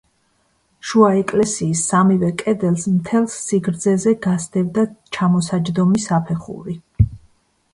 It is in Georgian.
შუა ეკლესიის სამივე კედელს მთელ სიგრძეზე გასდევდა ჩამოსაჯდომი საფეხური.